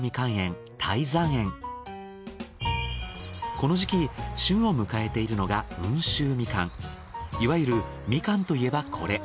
この時期旬を迎えているのが温州みかん。いわゆるみかんといえばこれ。